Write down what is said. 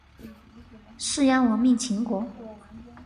士鞅亡命秦国。